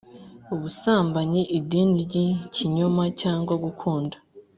ubusambanyi idini ry ikinyoma cyangwa gukunda